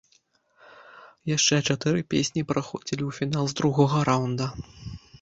Яшчэ чатыры песні праходзілі ў фінал з другога раўнда.